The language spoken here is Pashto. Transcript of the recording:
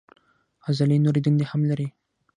عضلې نورې دندې هم لري.